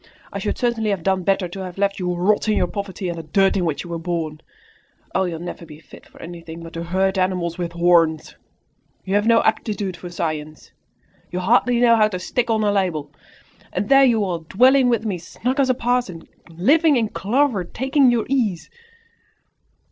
I should certainly have done better to have left you to rot in your poverty and the dirt in which you were born. Oh, you'll never be fit for anything but to herd animals with horns! You have no aptitude for science! You hardly know how to stick on a label! And there you are, dwelling with me snug as a parson, living in clover, taking your ease!"